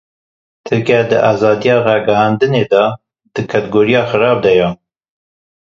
Tirkiye di azadiya ragihandinê de di kategoriya xerab" de ye.